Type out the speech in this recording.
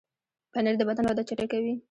پنېر د بدن وده چټکوي.